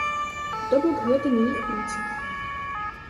То бок, гэта не іх праца.